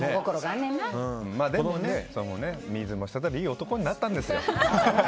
でもね、水も滴るいい男になったんですよ。